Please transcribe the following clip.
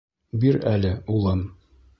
— Бир әле, улым.